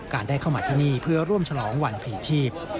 ได้เข้ามาที่นี่เพื่อร่วมฉลองวันผีชีพ